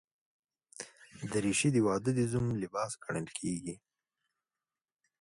دریشي د واده د زوم لباس ګڼل کېږي.